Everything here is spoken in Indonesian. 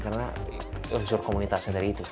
karena unsur komunitasnya dari itu